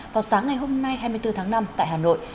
vào sáng ngày hôm nay hai mươi bốn tháng năm tại hà nội